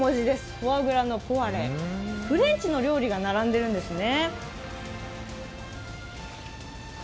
フォアグラのポワレ、フレンチの料理が並んでいるんですね。